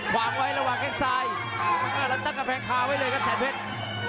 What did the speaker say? วางไว้ระหว่างแข้งซ้ายแล้วตั้งกำแพงคาไว้เลยครับแสนเพชร